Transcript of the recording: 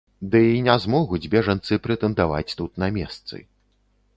Ды і не змогуць бежанцы прэтэндаваць тут на месцы.